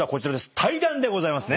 対談でございますね。